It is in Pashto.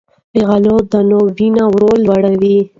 له غلې- دانو ډوډۍ وینه ورو لوړوي.